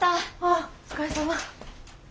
あお疲れさま。